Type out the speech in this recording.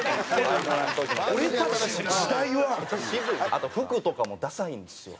あと服とかもダサいんですよ。